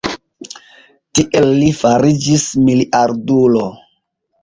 Tiel li fariĝis miliardulo.